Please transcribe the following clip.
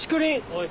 おい。